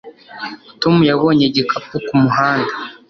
Tom yabonye igikapu kumuhanda